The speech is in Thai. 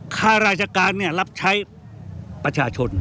ข้าราชการรับใช้ประชาชน